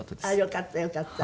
よかったよかった。